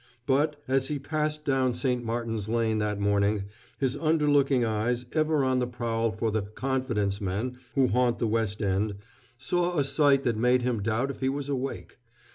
But, as he passed down St. Martin's Lane that morning, his underlooking eyes, ever on the prowl for the "confidence men" who haunt the West End, saw a sight that made him doubt if he was awake.